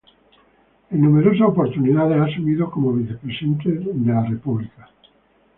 En numerosas oportunidades ha asumido como vicepresidente de la República.